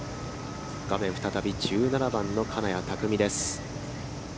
画面再び、１７番の金谷拓実です。